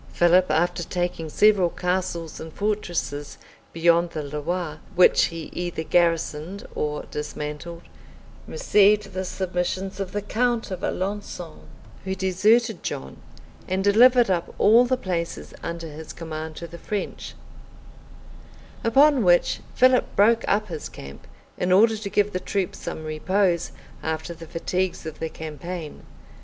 Philip, after taking several castles and fortresses beyond the Loire, which he either garrisoned or dismantled, received the submissions of the count of Alençon, who deserted John, and delivered up all the places under his command to the French; upon which Philip broke up his camp, in order to give the troops some repose after the fatigues of the campaign.